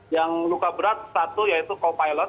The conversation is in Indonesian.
yang luka berat satu yaitu co pilot